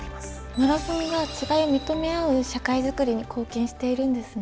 マラソンが違いを認め合う社会づくりに貢献しているんですね。